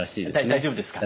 大丈夫ですか？